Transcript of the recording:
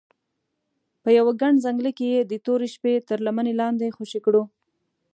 په یوه ګڼ ځنګله کې یې د تورې شپې تر لمنې لاندې خوشې کړو.